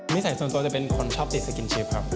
สัยส่วนตัวจะเป็นคนชอบติดสกินชิปครับ